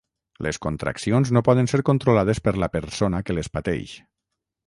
Les contraccions no poden ser controlades per la persona que les pateix.